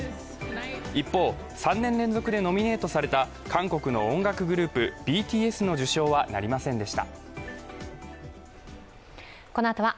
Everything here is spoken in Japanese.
一方、３年連続でノミネートされた韓国の音楽グループＢＴＳの受賞はなりませんでした。